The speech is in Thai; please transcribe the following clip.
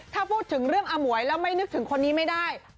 ถ้าพูดถึงเรื่องอมวยแล้วไม่นึกถึงคนนี้ไม่ได้